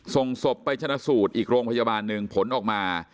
ส่งศพไปชนะสูตรอีกโรงพยาบาลหนึ่งผลออกมา